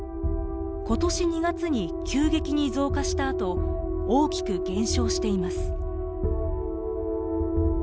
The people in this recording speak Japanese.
今年２月に急激に増加したあと大きく減少しています。